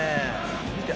「見て。